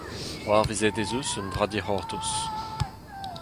C’hoarvezet ez eus un dra dic’hortoz